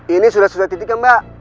ini sudah sesuai titik ya mbak